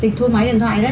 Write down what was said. tình thu máy điện thoại đấy